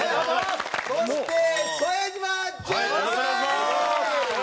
そして副島淳さん！